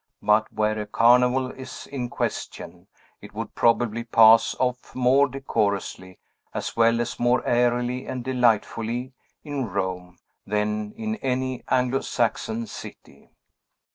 But, where a Carnival is in question, it would probably pass off more decorously, as well as more airily and delightfully, in Rome, than in any Anglo Saxon city.